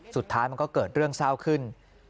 สุดท้ายมันก็เกิดเรื่องเศร้าขึ้น